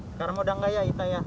sekarang udah enggak ya ita ya